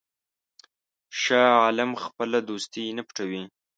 شاه عالم خپله دوستي نه پټوي.